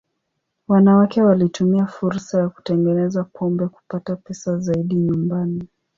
Wanawake walitumia fursa ya kutengeneza pombe kupata pesa zaidi nyumbani.